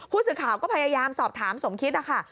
ผู้สื่อข่าวก็พยายามสอบถามสมคิดนะคะ